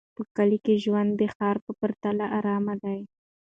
په کلي کې ژوند د ښار په پرتله ارام دی.